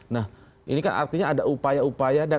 nah ini kan artinya ada upaya upaya